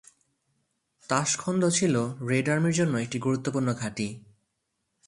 তাশখন্দ ছিল রেড আর্মির জন্য একটি গুরুত্বপূর্ণ ঘাঁটি।